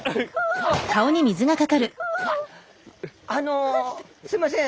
あのすいません